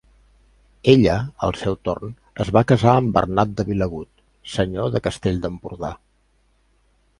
Ella, al seu torn, es va casar amb Bernat de Vilagut, senyor de Castell d'Empordà.